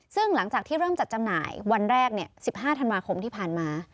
ซึ่งหลังจากที่เริ่มจัดจำหน่ายวันแรก๑๕ธันวาคมที่ผ่านมา